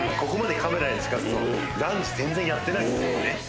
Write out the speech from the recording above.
ここまでカメラに近づくとランジ全然やってないですよね